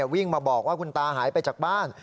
วิ่งมาบอกว่าคุณตาหายไปจากบ้าน